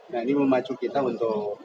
nah ini memacu kita untuk